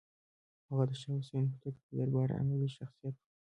هغه د شاه حسین هوتک د دربار علمي شخصیت و.